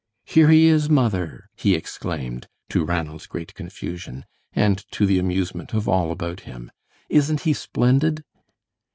"Here he is, mother!" he exclaimed, to Ranald's great confusion, and to the amusement of all about him. "Isn't he splendid?"